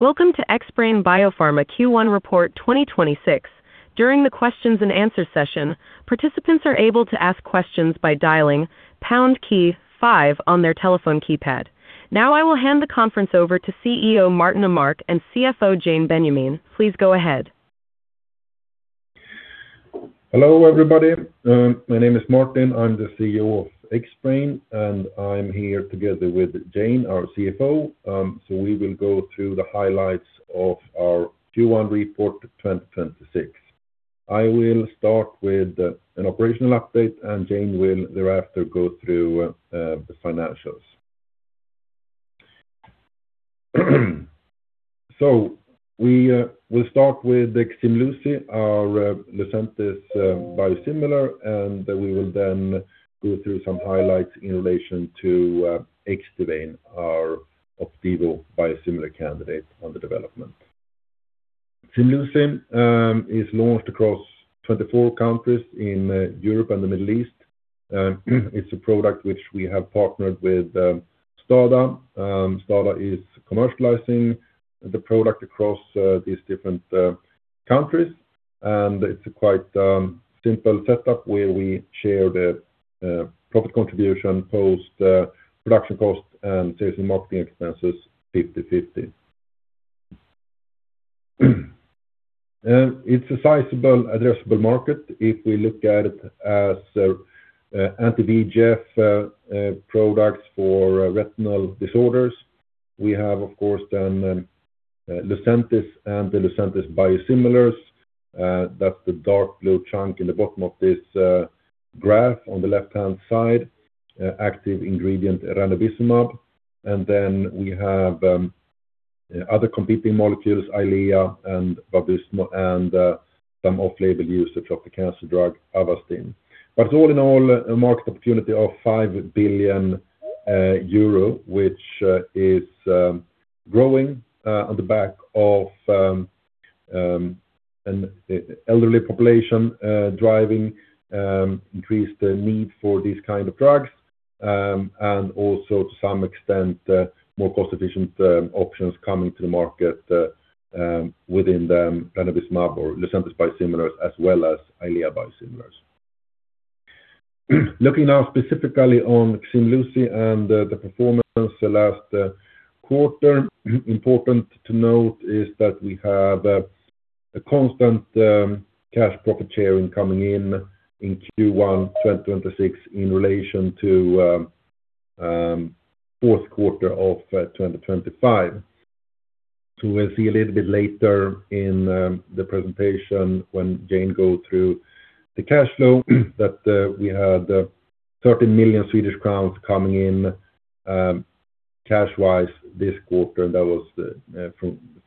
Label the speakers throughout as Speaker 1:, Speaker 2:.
Speaker 1: Welcome to Xbrane Biopharma Q1 Report 2026. During the questions and answer session, participants are able to ask questions by dialing pound key five on their telephone keypad. I will hand the conference over to CEO Martin Åmark and CFO Jane Benyamin. Please go ahead.
Speaker 2: Hello, everybody. My name is Martin. I'm the CEO of Xbrane, and I'm here together with Jane Benyamin, our CFO. We will go through the highlights of our Q1 report 2026. I will start with an operational update, and Jane Benyamin will thereafter go through the financials. We will start with Ximluci, our LUCENTIS biosimilar, and we will then go through some highlights in relation to Xdivane, our OPDIVO biosimilar candidate under development. Ximluci is launched across 24 countries in Europe and the Middle East. It's a product which we have partnered with STADA. STADA is commercializing the product across these different countries. It's a quite simple setup where we share the profit contribution post production costs and sales and marketing expenses 50/50. It's a sizable addressable market if we look at it as anti-VEGF products for retinal disorders. We have, of course, then, LUCENTIS and the LUCENTIS biosimilars. That's the dark blue chunk in the bottom of this graph on the left-hand side. Active ingredient ranibizumab. Then we have other competing molecules, Eylea and Vabysmo, and some off-label usage of the cancer drug Avastin. All in all, a market opportunity of 5 billion euro, which is growing on the back of an elderly population driving increased need for these kind of drugs. Also to some extent, more cost-efficient options coming to the market within the ranibizumab or LUCENTIS biosimilars as well as Eylea biosimilars. Looking now specifically on Ximluci and the performance the last quarter, important to note is that we have a constant cash profit sharing coming in in Q1 2026 in relation to fourth quarter of 2025. We'll see a little bit later in the presentation when Jane Benyamin go through the cash flow that we had 13 million Swedish crowns coming in cash-wise this quarter. That was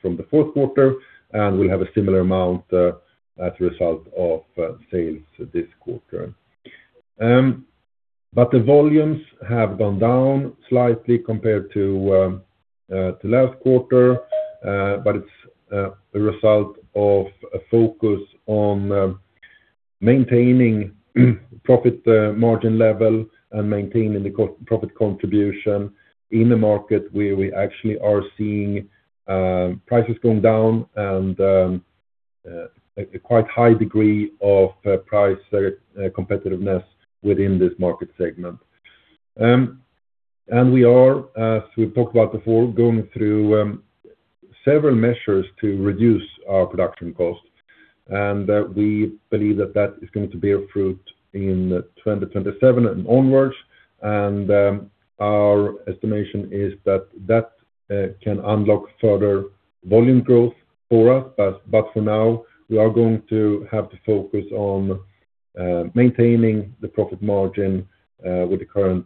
Speaker 2: from the fourth quarter, and we'll have a similar amount as a result of sales this quarter. The volumes have gone down slightly compared to last quarter, but it's a result of a focus on maintaining profit margin level and maintaining the co-profit contribution in a market where we actually are seeing prices going down and a quite high degree of price competitiveness within this market segment. We are, as we've talked about before, going through several measures to reduce our production costs. We believe that that is going to bear fruit in 2027 and onwards. Our estimation is that that can unlock further volume growth for us. For now, we are going to have to focus on maintaining the profit margin with the current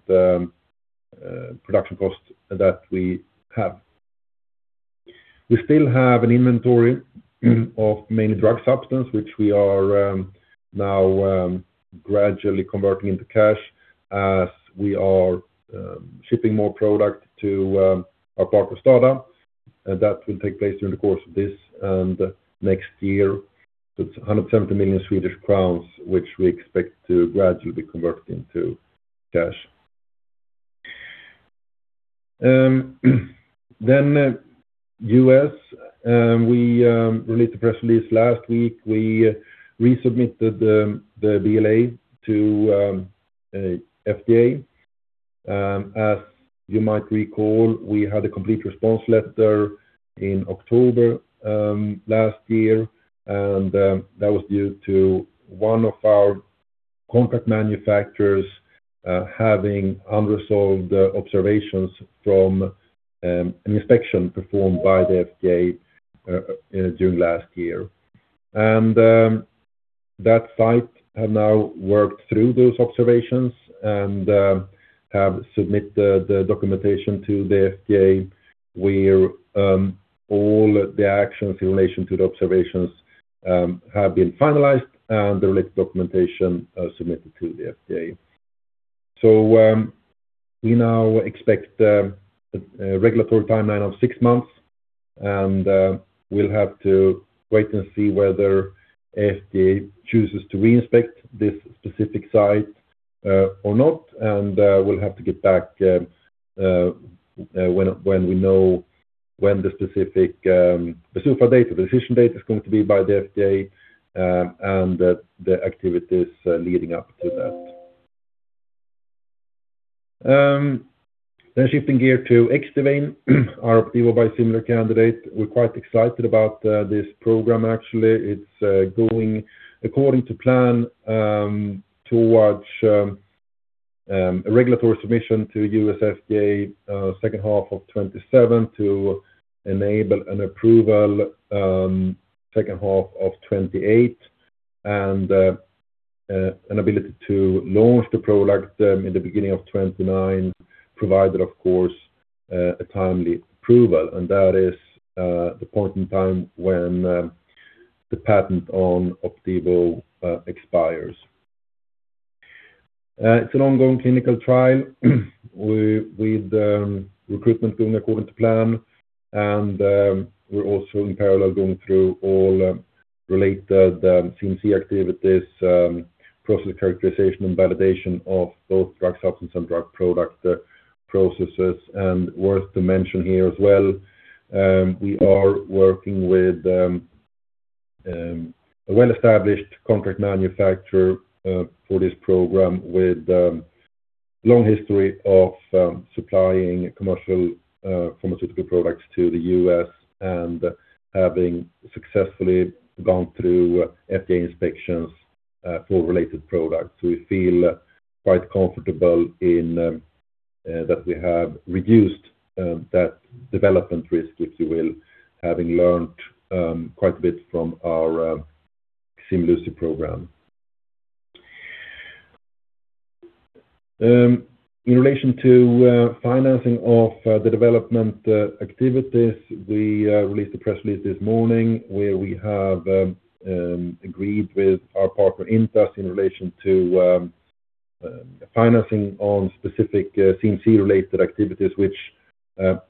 Speaker 2: production costs that we have. We still have an inventory of mainly drug substance, which we are now gradually converting into cash as we are shipping more product to our partner STADA. That will take place during the course of this and next year. It's 170 million Swedish crowns, which we expect to gradually convert into cash. U.S., we released a press release last week. We resubmitted the BLA to FDA. As you might recall, we had a complete response letter in October last year. That was due to one of our contract manufacturers having unresolved observations from an inspection performed by the FDA in June last year. That site have now worked through those observations and have submitted the documentation to the FDA where all the actions in relation to the observations have been finalized and the related documentation submitted to the FDA. We now expect a regulatory timeline of six months, and we'll have to wait and see whether FDA chooses to re-inspect this specific site or not. We'll have to get back when we know when the specific PDUFA date, the decision date, is going to be by the FDA and the activities leading up to that. Then shifting gear to Xdivane, our OPDIVO biosimilar candidate. We're quite excited about this program actually. It's going according to plan towards a regulatory submission to U.S. FDA second half of 2027 to enable an approval second half of 2028 and an ability to launch the product in the beginning of 2029, provided of course a timely approval, and that is the point in time when the patent on OPDIVO expires. It's an ongoing clinical trial with recruitment going according to plan and we're also in parallel going through all related CMC activities, process characterization and validation of both drug substance and drug product processes. Worth to mention here as well, we are working with a well-established contract manufacturer for this program with a long history of supplying commercial pharmaceutical products to the U.S. and having successfully gone through FDA inspections for related products. We feel quite comfortable in that we have reduced that development risk, if you will, having learned quite a bit from our Ximluci program. In relation to financing of the development activities, we released a press release this morning where we have agreed with our partner Intas in relation to financing on specific CMC related activities which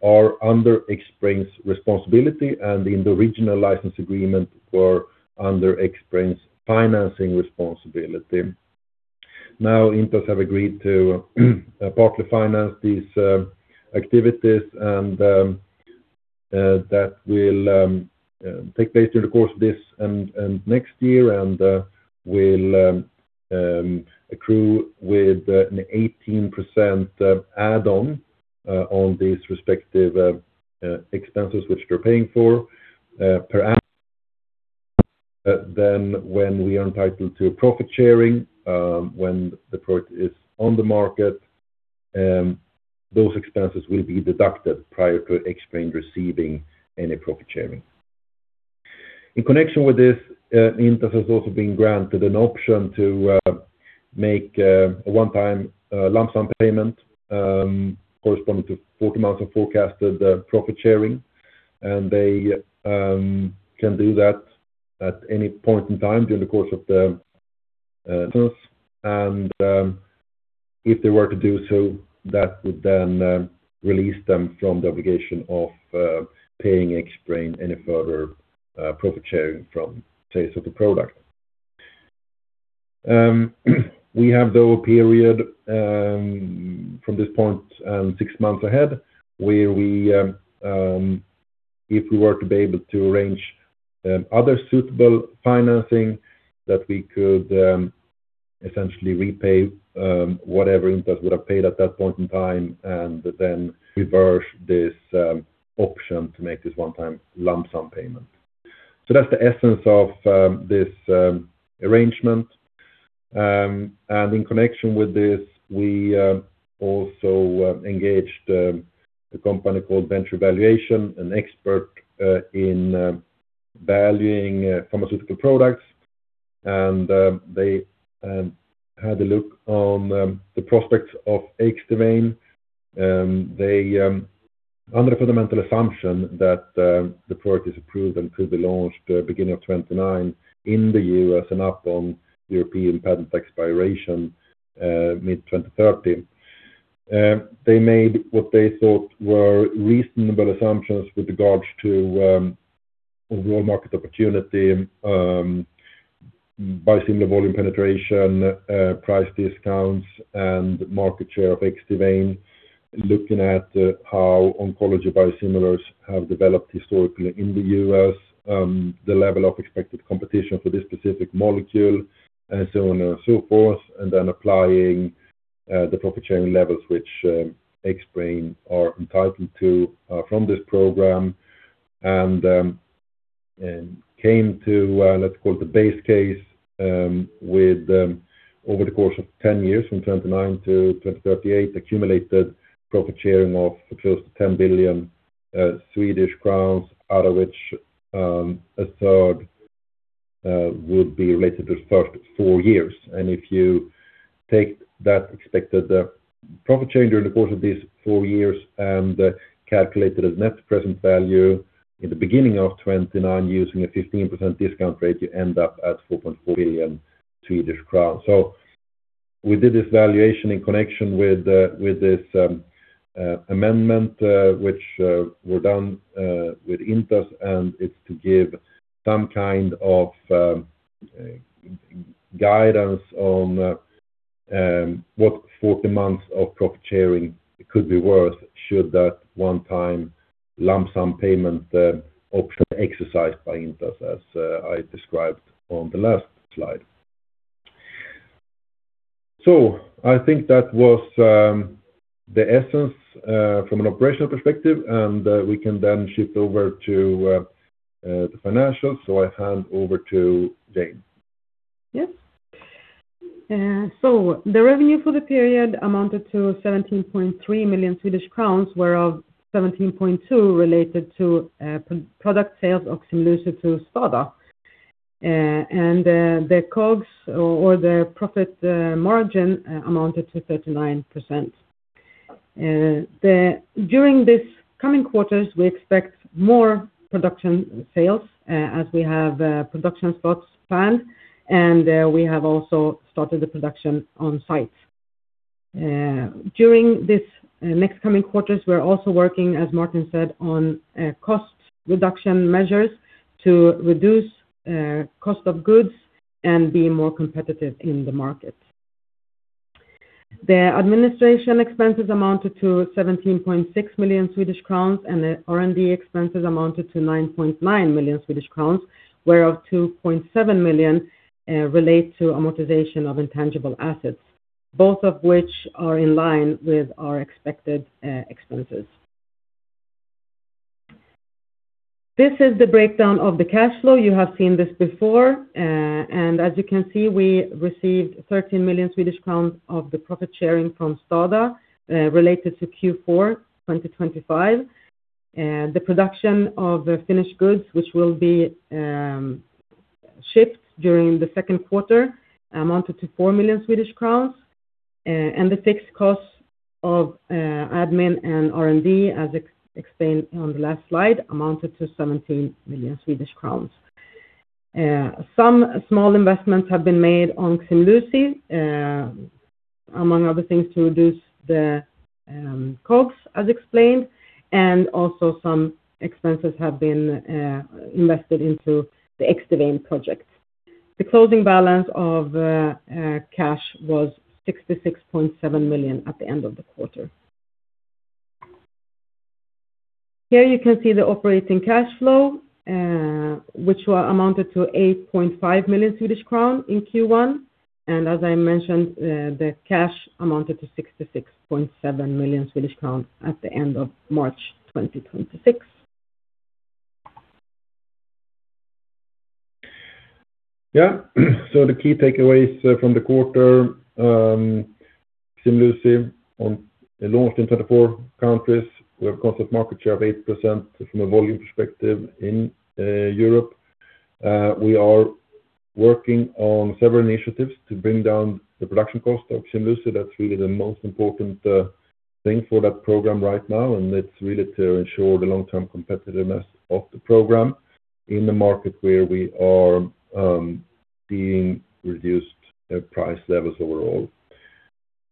Speaker 2: are under Xbrane's responsibility and in the original license agreement were under Xbrane's financing responsibility. Now Intas have agreed to partly finance these activities and that will take place during the course of this and next year and will accrue with an 18% add-on on these respective expenses which they're paying for. Then when we are entitled to profit sharing, when the product is on the market, those expenses will be deducted prior to Xbrane receiving any profit sharing. In connection with this, Intas has also been granted an option to make a one-time lump sum payment corresponding to 40 months of forecasted profit sharing and they can do that at any point in time during the course of the license. If they were to do so, that would then release them from the obligation of paying Xbrane any further profit sharing from sales of the product. We have though a period from this point and six months ahead where we, if we were to be able to arrange other suitable financing, that we could essentially repay whatever Intas would have paid at that point in time and then reverse this option to make this one-time lump sum payment. That's the essence of this arrangement and in connection with this we also engaged a company called Venture Valuation, an expert in valuing pharmaceutical products, and they had a look on the prospects of Xdivane. They, under the fundamental assumption that the product is approved and could be launched beginning of 2029 in the U.S. and upon European patent expiration mid-2030, they made what they thought were reasonable assumptions with regards to overall market opportunity, biosimilar volume penetration, price discounts and market share of Xdivane, looking at how oncology biosimilars have developed historically in the U.S., the level of expected competition for this specific molecule and so on and so forth. Then applying the profit sharing levels which Xbrane are entitled to from this program and came to, let's call it the base case, with over the course of 10 years from 2029 to 2038, accumulated profit sharing of close to 10 billion Swedish crowns, out of which 1/3 would be related to the first four years. If you take that expected profit sharing during the course of these four years and calculated as net present value in the beginning of 2029 using a 15% discount rate, you end up at 4.4 billion Swedish crown. We did this valuation in connection with this amendment which we're done with Intas and it's to give some kind of guidance on what 40 months of profit sharing could be worth should that one-time lump sum payment option exercised by Intas as I described on the last slide. I think that was the essence from an operational perspective, and we can then shift over to the financials. I hand over to Jane.
Speaker 3: Yes. The revenue for the period amounted to 17.3 million Swedish crowns, whereof 17.2 related to product sales of Ximluci to STADA. The COGS or the profit margin amounted to 39%. During this coming quarters, we expect more production sales as we have production spots planned, and we have also started the production on sites. During this next coming quarters, we're also working, as Martin said, on cost reduction measures to reduce cost of goods and be more competitive in the market. The administration expenses amounted to 17.6 million Swedish crowns, and the R&D expenses amounted to 9.9 million Swedish crowns, whereof 2.7 million relate to amortization of intangible assets, both of which are in line with our expected expenses. This is the breakdown of the cash flow. You have seen this before. As you can see, we received 13 million Swedish crowns of the profit sharing from STADA related to Q4 2025. The production of the finished goods, which will be shipped during the second quarter, amounted to 4 million Swedish crowns. The fixed costs of admin and R&D, as explained on the last slide, amounted to 17 million Swedish crowns. Some small investments have been made on Ximluci, among other things, to reduce the COGS, as explained, and also some expenses have been invested into the Xdivane projects. The closing balance of cash was 66.7 million at the end of the quarter. Here you can see the operating cash flow, which were amounted to 8.5 million Swedish crown in Q1. As I mentioned, the cash amounted to 66.7 million Swedish crowns at the end of March 2026.
Speaker 2: Yeah. The key takeaways from the quarter, Ximluci on launched in 24 countries. We have concept market share of 8% from a volume perspective in Europe. We are working on several initiatives to bring down the production cost of Ximluci. That's really the most important thing for that program right now, and it's really to ensure the long-term competitiveness of the program in the market where we are seeing reduced price levels overall.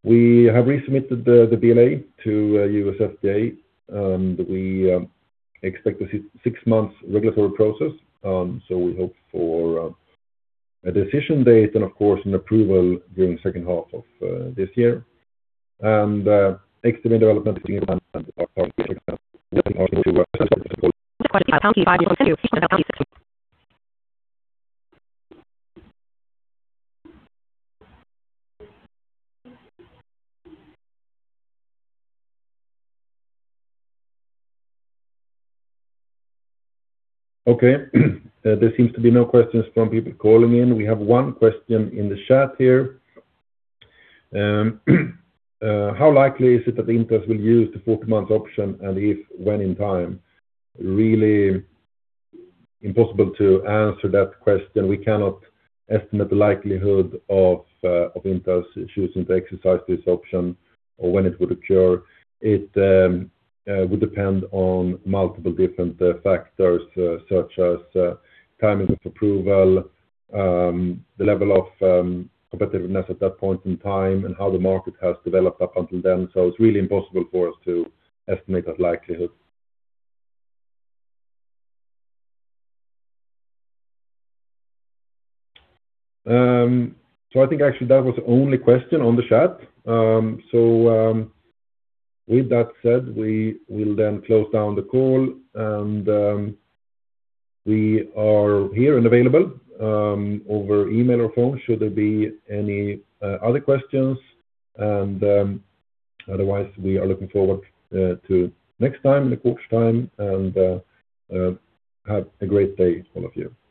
Speaker 2: We have resubmitted the BLA to U.S. FDA, and we expect a six months regulatory process. We hope for a decision date and of course, an approval during second half of this year. Xdivane development is being advanced and up on. Okay. There seems to be no question from the. We have one question in the chat here. How likely is it that Intas will use the 40-month option, and if, when in time? Really impossible to answer that question. We cannot estimate the likelihood of Intas choosing to exercise this option or when it would occur. It would depend on multiple different factors, such as timing of approval, the level of competitiveness at that point in time, and how the market has developed up until then. It's really impossible for us to estimate that likelihood. I think actually that was the only question on the chat. With that said, we will then close down the call and we are here and available over email or phone should there be any other questions. Otherwise, we are looking forward to next time in a quarter's time and have a great day all of you. Thank you.